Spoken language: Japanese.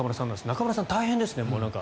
中村さん大変ですね。